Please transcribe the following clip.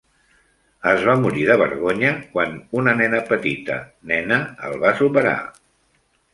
Es va morir de vergonya quan una nena petita nena el va superar.